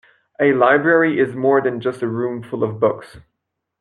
A library is more than just a room full of books